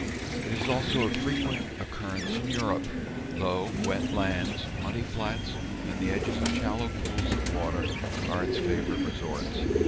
It is also of frequent occurrence in Europe. Low, wet lands, muddy flats, and the edges of shallow pools of water are its favorite resorts.